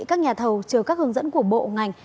các nhà thầu chờ các hướng dẫn của bộ ngành